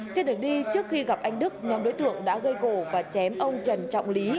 trên đường đi trước khi gặp anh đức nhóm đối tượng đã gây gỗ và chém ông trần trọng lý